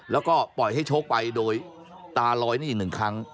แล้วก็ปล่อยให้โชคไปโดยตาลอยนี่อีกหนึ่งครั้ง